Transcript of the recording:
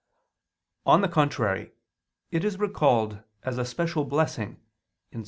On the contrary, It is recalled as a special blessing (Ps.